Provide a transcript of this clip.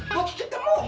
kok kita mau